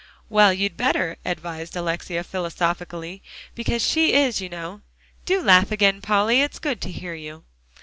"Well, you'd better," advised Alexia philosophically, "because she is, you know. Do laugh again, Polly; it's good to hear you."